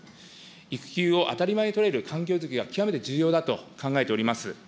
育休を当たり前に取れる環境作りが極めて重要だと考えております。